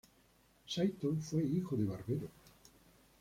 Saito fue hijo de barbero.